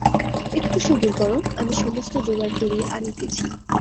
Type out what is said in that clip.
একটু সবুর করো, আমি সমস্ত জোগাড় করিয়া আনিতেছি।